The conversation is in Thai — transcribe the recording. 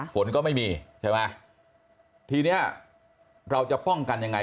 ฝนก็ไม่มีใช่ไหมทีเนี้ยเราจะป้องกันยังไง